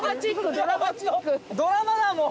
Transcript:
ドラマだもう。